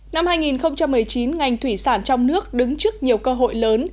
năm hai nghìn một mươi chín ngành thủy sản trong nước đứng trước nhiều cơ hội lớn